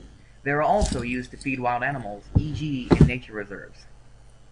They are also used to feed wild animals, e.g., in nature reserves.